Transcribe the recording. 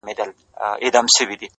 دا يې د ميني ترانه ماته كړه.!